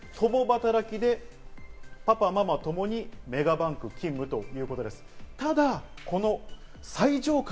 で、共働きでパパ、ママ、ともにメガバンク勤務ということです。